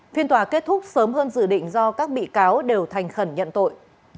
phiên tòa kết thúc sớm hơn dự định do các bị cáo đều thành khẩn nhận tội